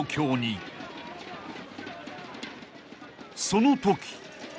［そのとき］